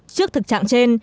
trước thực trạng trên